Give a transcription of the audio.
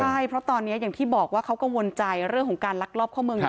ใช่เพราะตอนนี้อย่างที่บอกว่าเขากังวลใจเรื่องของการลักลอบเข้าเมืองอยู่